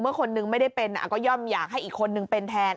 คนนึงไม่ได้เป็นก็ย่อมอยากให้อีกคนนึงเป็นแทน